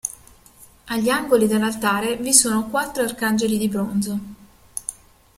Agli angoli dell'altare vi sono quattro arcangeli di bronzo.